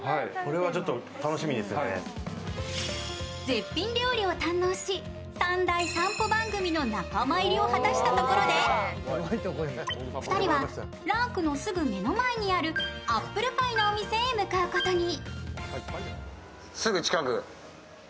絶品料理を堪能し３大散歩番組の仲間入りを果たしたところで２人はラークのすぐ目の前にあるアップルパイのお店に向かうことに。